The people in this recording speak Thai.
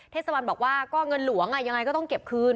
เทศบาลบอกว่าก็เงินหลวงยังไงก็ต้องเก็บคืน